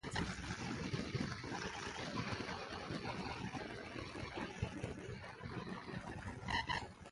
‘Where is the use of the devil in that sentence?’ tittered Linton.